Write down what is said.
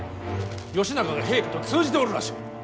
義仲が平家と通じておるらしい。